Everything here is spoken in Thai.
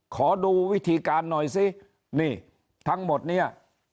ขอดูวิธีการหน่อยสินี่ทั้งหมดเนี่ย